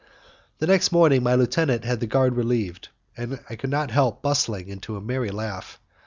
The next morning my lieutenant had the guard relieved, and I could not help bursting into a merry laugh.